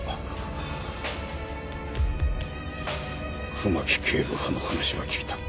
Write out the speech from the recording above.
熊木警部補の話は聞いた。